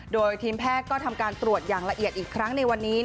โดยทีมแพทย์ก็ทำการตรวจอย่างละเอียดอีกครั้งในวันนี้